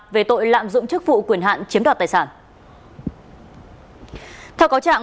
về tội lạm dụng chức vụ quyền hạn chiếm đoạt tài sản